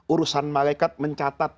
urusan malekat mencatat